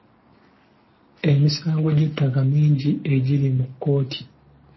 Emisango gy'ettaka mingi egiri mu kkooti.